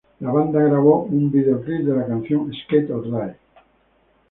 La banda grabó un videoclip de la canción "Skate or Die".